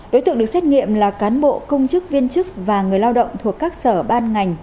đối tượng được xét nghiệm là cán bộ công chức viên chức và người lao động thuộc các sở ban ngành